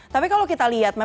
tapi kalau kita lihat